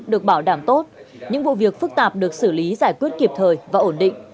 được bảo đảm tốt những vụ việc phức tạp được xử lý giải quyết kịp thời và ổn định